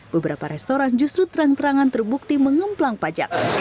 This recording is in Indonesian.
beberapa restoran justru terang terangan terbukti mengemplang pajak